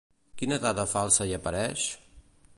Quina dada falsa hi apareix?